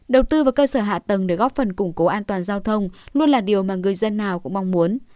đầu tư vào cơ sở hạ tầng để góp phần củng cố an toàn giao thông luôn là điều mà người dân nào cũng mong muốn